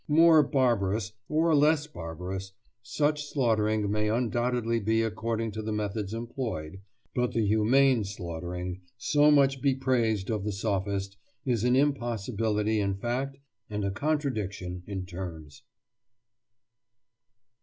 More barbarous, or less barbarous, such slaughtering may undoubtedly be, according to the methods employed, but the "humane" slaughtering, so much bepraised of the sophist, is an impossibility in fact and a contradiction in terms.